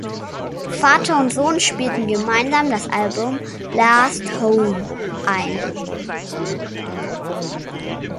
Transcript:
Vater und Sohn spielten gemeinsam das Album "Last Home" ein.